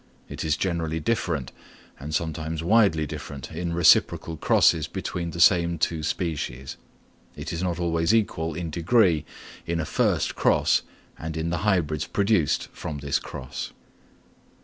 It is generally different, and sometimes widely different in reciprocal crosses between the same two species. It is not always equal in degree in a first cross and in the hybrids produced from this cross.